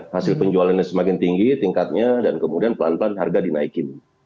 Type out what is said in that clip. hasil penjualannya semakin tinggi tingkatnya dan kemudian pelan pelan harga dinaikin